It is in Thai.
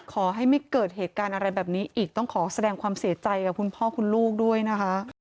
ขอให้ไม่เกิดเหตุการณ์อะไรแบบนี้อีกต้องขอแสดงความเสียใจกับคุณพ่อคุณลูกด้วยนะคะ